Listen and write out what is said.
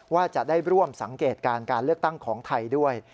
ว่าจะได้ร่วมสังเกตการการเลือกตั้งของไทยด้วย